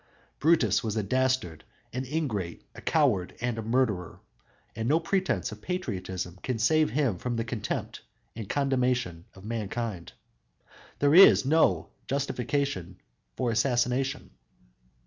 Brutus was a dastard, an ingrate, a coward and a murderer, and no pretense of patriotism can save him from the contempt and condemnation of mankind. There is no justification for assassination!